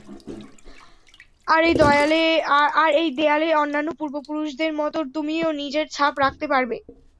আর এই দেয়ালে অন্যান্য পূর্বপুরুষদের মতো তুমিও নিজের ছাপ রাখতে পারবে।